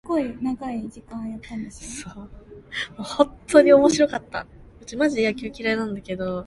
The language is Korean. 간난이와 선비는 살살 기어서 담 밑까지 왔다.